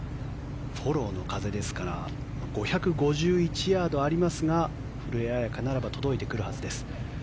フォローの風ですから５５１ヤードありますが古江彩佳ならば届いてくるはずです。